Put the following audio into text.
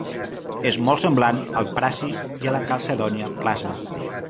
És molt semblant al prasi i a la calcedònia plasma.